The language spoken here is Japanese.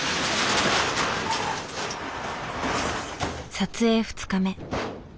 撮影２日目。